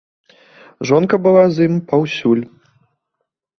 Жонка была з ім паўсюль.